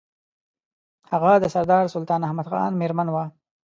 هغه د سردار سلطان احمد خان مېرمن وه.